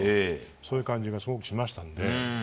そういう感じがすごいしましたので。